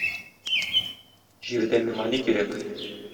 Җирдә миңа ни кирәк?